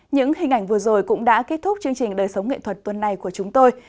những hình ảnh vừa rồi cũng đã kết thúc chương trình đời sống nghệ thuật tuần này của chúng tôi